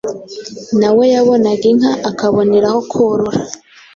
na we yabonaga inka akaboneraho korora.